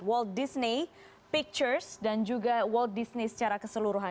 walt disney pictures dan juga walt disney secara keseluruhan